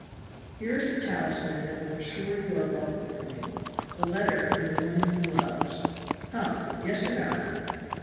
"Here is a talisman that will insure you a welcome from him a letter from the woman he loves. Come, yes or no?"